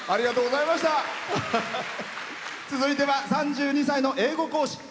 続いては３２歳の英語講師。